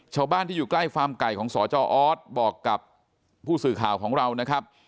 ชาวบ้านที่อยู่ใกล้ฟาร์มไก่ของสจออสบอกกับผู้สื่อข่าวของเรานะครับ